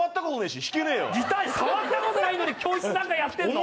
触ったことないのに、教室なんかやってるの？